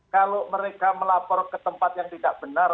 kalau mereka melapor ke tempat yang tidak benar